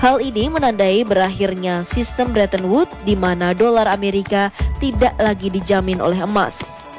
hal ini menandai berakhirnya sistem bretton wood di mana dolar amerika tidak lagi dijamin oleh emas